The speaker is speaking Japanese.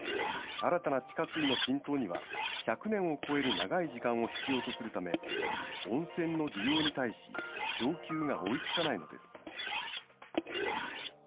新たな地下水の浸透には１００年を超える長い時間を必要とするため、温泉の需要に対し、供給が追いつかないのです。